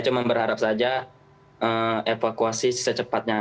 saya juga berharap saja evakuasi secepatnya